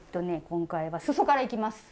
今回はすそからいきます。